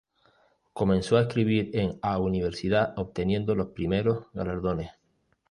Comenzó a escribir en a universidad obteniendo los primeros galardones.